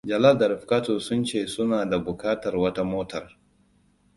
Jalal da Rifkatu sun ce suna da bukatar wata motar.